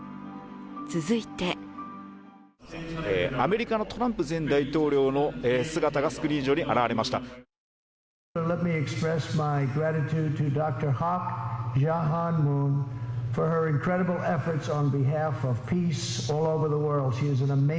続いてアメリカのトランプ前大統領の姿がスクリーン上に現れました。